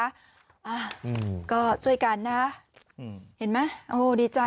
อ่าก็ช่วยกันนะเห็นไหมโอ้ดีใจ